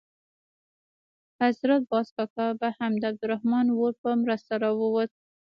حضرت باز کاکا به هم د عبدالرحمن اور په مرسته راووت.